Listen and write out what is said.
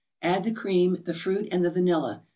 Add the cream, the fruit and the vanilla.